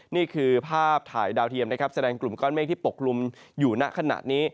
นี่คือภาพถ่ายดาวเทียมนะครับแสดงกลุ่มก้อนเมฆที่ปกลุ่มอยู่ณขณะนี้